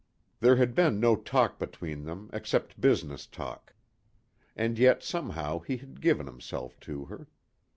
There had been no talk between them except business talk. And yet, somehow he had given himself to her.